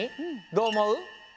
どうおもう？